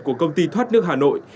của công ty thoát nước hà nội